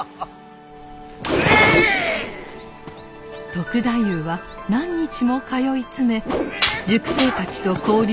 篤太夫は何日も通い詰め塾生たちと交流を深めました。